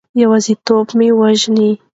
یوازیتوب مو وژني.